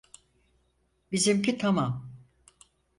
Bizimki tamam!